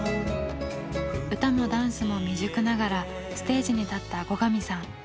歌もダンスも未熟ながらステージに立った後上さん。